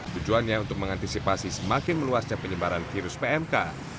tujuannya untuk mengantisipasi semakin meluasnya penyebaran virus pmk